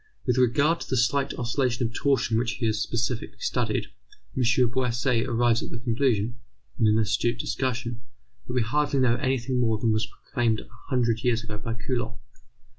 With regard to the slight oscillations of torsion which he has specially studied, M. Bouasse arrives at the conclusion, in an acute discussion, that we hardly know anything more than was proclaimed a hundred years ago by Coulomb.